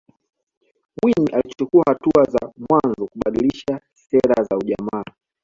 Mwinyi alichukuwa hatua za mwanzo kubadilisha sera za ujamaa